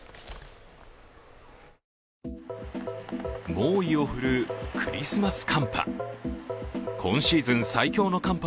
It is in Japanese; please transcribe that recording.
猛威を振るうクリスマス寒波。